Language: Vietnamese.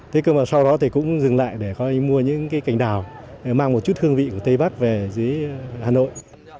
thế cơ mà sau đó thì cũng dừng lại để coi như mua những cái cảnh đào mang một chút hương vị của tây bắc về dưới hà nội